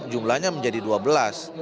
jumlahnya menjadi dua belas